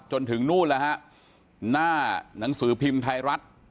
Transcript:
จนถึงนู่นแล้วฮะหน้าหนังสือพิมพ์ไทยรัฐ